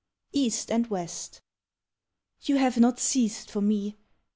EAST AND WEST You have not ceased for me.